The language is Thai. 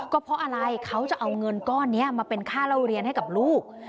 ก็เพราะอะไรเขาจะเอาเงินก้อนนี้มาเป็นค่าเล่าเรียนให้กับลูก